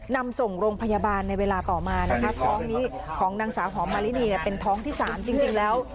นำส่งโรงพยาบาลในเวลาต่อมานะคะท้องนี้ของนางสาวหอมมารินีเนี่ยเป็นท้องที่๓จริงแล้ว